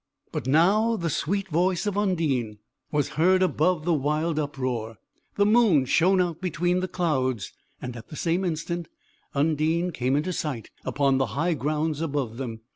But now the sweet voice of Undine was heard above the wild uproar; the moon shone out between the clouds, and at the same instant Undine came into sight, upon the high grounds above them.